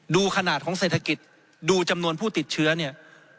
ดูขนาดของเศรษฐกิจดูจำนวนผู้ติดเชื้อเนี่ย